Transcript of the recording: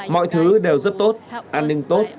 mọi thứ đều rất tốt an ninh tốt